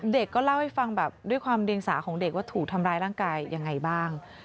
ก็เล่าให้ฟังแบบด้วยความเรียงสาของเด็กว่าถูกทำร้ายร่างกายยังไงบ้าง